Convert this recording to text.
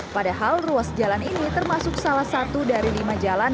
padahal ruas jalan ini termasuk salah satu dari lima jalan